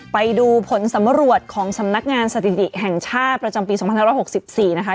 ไปดูผลสำรวจของสำนักงานสถิติแห่งชาติประจำปี๒๕๖๔นะคะ